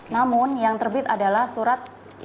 namun yang terbit adalah surat